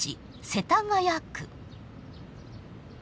世田谷区。